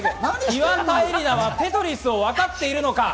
岩田絵里奈は『テトリス』をわかっているのか？